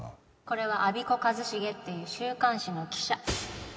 これは我孫子和重っていう週刊誌の記者